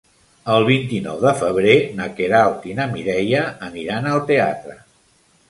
El vint-i-nou de febrer na Queralt i na Mireia aniran al teatre.